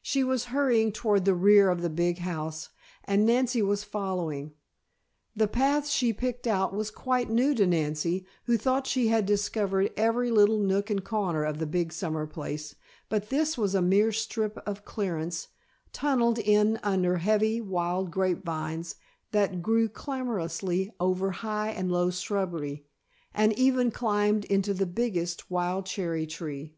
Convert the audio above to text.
She was hurrying toward the rear of the big house and Nancy was following. The path she picked out was quite new to Nancy, who thought she had discovered every little nook and corner of the big summer place, but this was a mere strip of clearance, tunneled in under heavy wild grape vines that grew clamorously over high and low shrubbery, and even climbed into the biggest wild cherry tree.